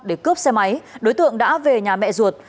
để cướp xe máy đối tượng đã về nhà mẹ ruột